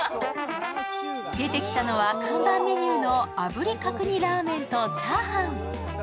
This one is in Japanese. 出てきたのは看板メニューの炙り角煮ラーメンとチャーハン。